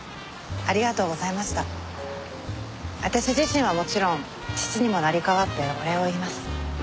私自身はもちろん父にも成り代わってお礼を言います。